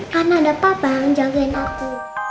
kan ada papa yang jagain aku